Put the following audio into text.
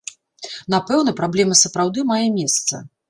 Напэўна, праблема сапраўды мае месца.